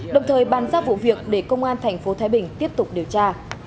đồng thời bàn ra vụ việc để công an thành phố thái bình tiếp tục điều tra